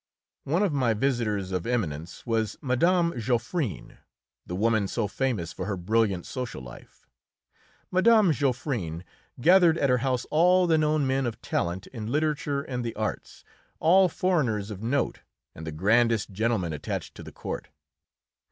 One of my visitors of eminence was Mme. Geoffrin, the woman so famous for her brilliant social life. Mme. Geoffrin gathered at her house all the known men of talent in literature and the arts, all foreigners of note and the grandest gentlemen attached to the court.